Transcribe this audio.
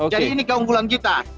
jadi ini keunggulan kita